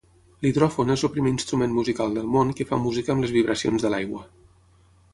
L'hidròfon és el primer instrument musical del món que fa música amb les vibracions de l'aigua.